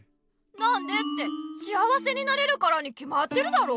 なんでって幸せになれるからにきまってるだろ。